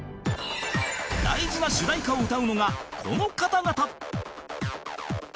大事な主題歌を歌うのがこの方々